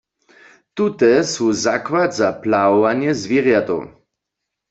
Tute su zakład za plahowanje zwěrjatow.